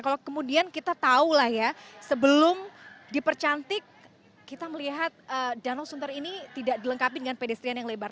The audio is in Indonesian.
kalau kemudian kita tahu lah ya sebelum dipercantik kita melihat danau sunter ini tidak dilengkapi dengan pedestrian yang lebar